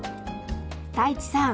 ［太一さん